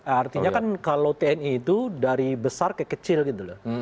artinya kan kalau tni itu dari besar ke kecil gitu loh